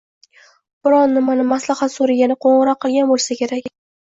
Biron nimani maslahat so`ragani qo`ng`iroq qilgan bo`lsa kerak